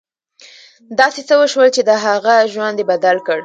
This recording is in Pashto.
داسې څه وشول چې د هغه ژوند یې بدل کړ